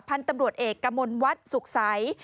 พันธุ์ตำรวจเอกกมลวัดสุขใส